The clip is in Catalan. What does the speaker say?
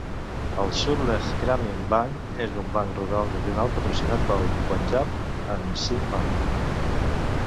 El Sutlej Gramin Bank és un banc rural regional patrocinat pel Punjab and Sind Bank.